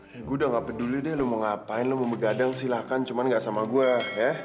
ya gue udah gak peduli deh lu mau ngapain lo mau begadang silahkan cuman gak sama gue ya